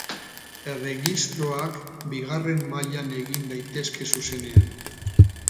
Erregistroak bigarren mailan egin daitezke zuzenean.